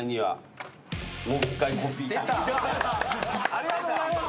ありがとうございます。